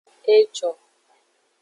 E jo.